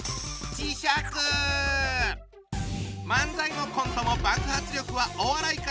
漫才もコントも爆発力はお笑い界随一。